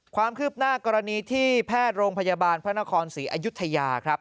ความคืบหน้ากรณีที่แพทย์โรงพยาบาลพระนครศรีอยุธยาครับ